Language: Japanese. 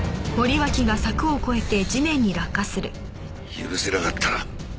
許せなかった。